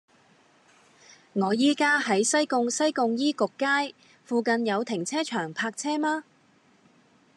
我依家喺西貢西貢醫局街，附近有停車場泊車嗎